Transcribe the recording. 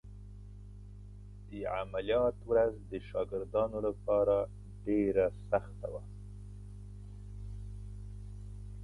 د عملیات ورځ د شاګردانو لپاره ډېره سخته وه.